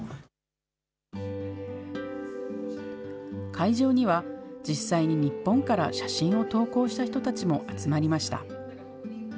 会場には、実際に日本から写真を投稿した人たちも集まりました。